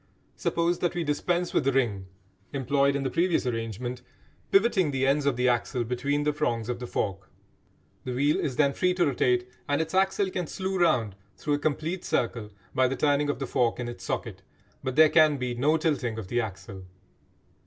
Suppose that we dispense with the ring employed in the previous arrangement, pivoting the ends of the axle between the prongs of the fork. The wheel is then free to rotate, and its axle can slew round through a complete circle by the turning of the fork in its socket, but there can be no tilting of the axle.